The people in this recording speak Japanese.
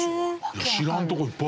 知らないとこいっぱい。